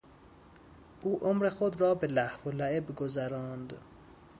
او عمر خود را به لهوولعب گذراند.